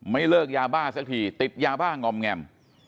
ไม่เลิกยาบ้าสักทีติดยาบ้างอมแงม